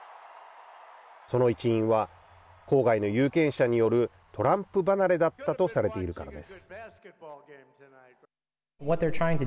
その一因は郊外の有権者によるトランプ離れだったとされているからです。